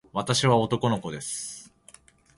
私は男の子です。